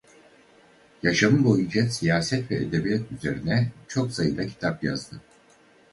Yaşamı boyunca siyaset ve edebiyat üzerine çok sayıda kitap yazdı.